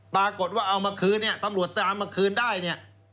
ปรากฏว่าเอามาคืนเนี่ยตำรวจตามมาคืนได้เนี่ย